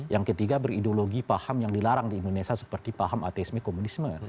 yang ketiga berideologi paham yang dilarang di indonesia seperti paham ateisme komunisme